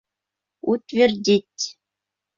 Утвердить: